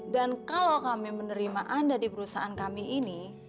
dan kalau kami menerima anda di perusahaan kami ini